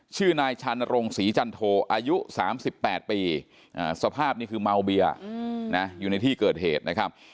ชื่อนายชานรงศรีจันโทอายุ๓๘ปีสภาพนี่คือเมาเบียอยู่ในที่เกิดเหตุนะครับ